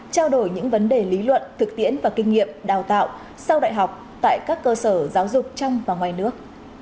trao đổi những vấn đề lý luận thực tiễn và kinh nghiệm đào tạo sau đại học tại các cơ sở giáo dục trong và ngoài nước